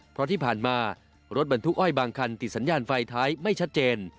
เพราะที่ผ่านมารถบรรทุกอ้อยบางคันติดสัญญาณไฟท้ายไม่ชัดเจน